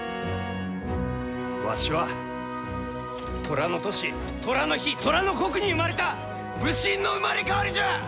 わしは寅の年寅の日寅の刻に生まれた武神の生まれ変わりじゃ！